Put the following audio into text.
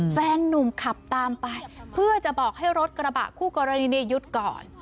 แฟนนุ่มขับตามไปเพื่อจะบอกให้รถกระบะคู่กรณีหยุดก่อน